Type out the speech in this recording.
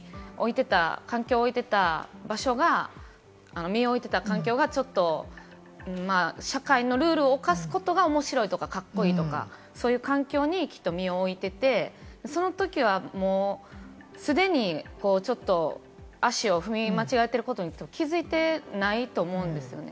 その５か月前までに身を置いてた環境がちょっと社会のルールを犯すことが面白いとか、カッコいいとか、そういう環境にきっと身を置いていて、その時はもう既に足を踏み間違えてることに気づいてないと思うんですね。